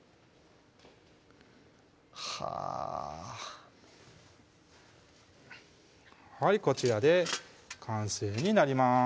はぁはいこちらで完成になります